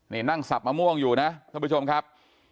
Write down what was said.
นี่นั่งสับมะม่วงอยู่นะท่านผู้ชมครับ